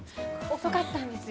遅かったんですよ。